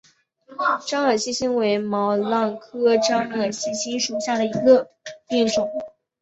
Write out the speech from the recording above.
獐耳细辛为毛茛科獐耳细辛属下的一个变种。